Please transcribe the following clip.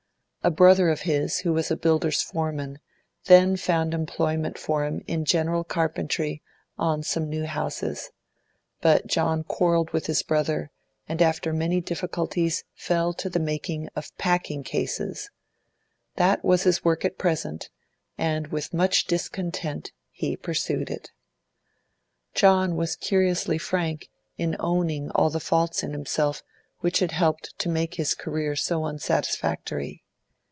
A brother of his, who was a builder's foreman, then found employment for him in general carpentry on some new houses; but John quarrelled with his brother, and after many difficulties fell to the making of packing cases; that was his work at present, and with much discontent he pursued it. John was curiously frank in owning all the faults in himself which had helped to make his career so unsatisfactory.